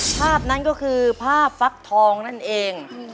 ภาพนั้นก็คือภาพฟักทองนั่นเอง